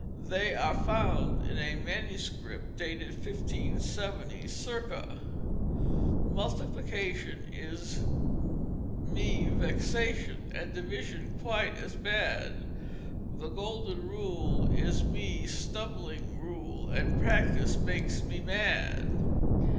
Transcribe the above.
They are found in a manuscript dated 1570 circa. "Multiplication is mie vexation And Division quite as bad, The Golden rule is mie stumbling stule, And Practice makes me mad."